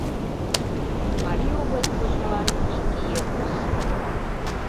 МАРИЙ ОБЛАСТЬ ПОЧМЫЛАН ИК ИЙ ЭРТЫШ